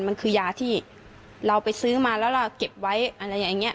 มันคือยาที่เราไปซื้อมาแล้วเราเก็บไว้อะไรอย่างนี้